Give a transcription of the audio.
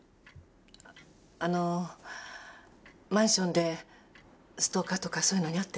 あのマンションでストーカーとかそういうのにあってない？